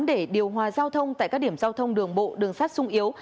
để điều hòa giao thông tại các điểm giao thông đường bộ đường sát sung yếu